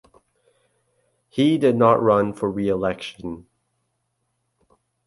He did not run for reelection.